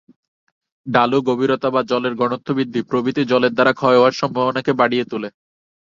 ঢালু, গভীরতা বা জলের ঘনত্ব বৃদ্ধি প্রভৃতি জলের দ্বারা ক্ষয় হওয়ার সম্ভাবনাকে বাড়িয়ে তোলে।